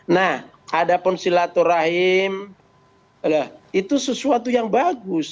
nah ada pun silaturahim itu sesuatu yang bagus